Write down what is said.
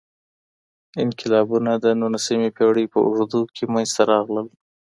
انقلابونه د نولسمې پیړۍ په اوږدو کي منځته راغلل.